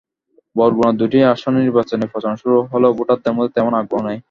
বরগুনার দুটি আসনে নির্বাচনী প্রচারণা শুরু হলেও ভোটারদের মধ্যে তেমন আগ্রহ নেই।